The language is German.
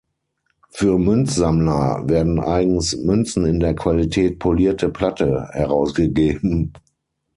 Für Münzsammler werden eigens Münzen in der Qualität „Polierte Platte“ herausgegeben.